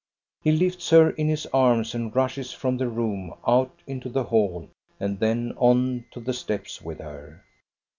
He lifts her in his arms and rushes from the room out into the hall and then on to the steps with her.